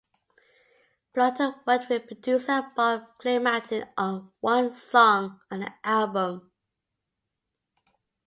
Blotto worked with producer Bob Clearmountain on one song on the album.